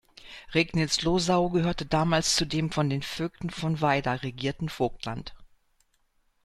Regnitzlosau gehörte damals zu dem von den Vögten von Weida regierten Vogtland.